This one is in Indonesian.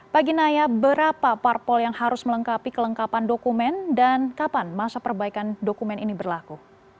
pagi naya berapa parpol yang harus melengkapi kelengkapan dokumen dan kapan masa perbaikan dokumen ini berlaku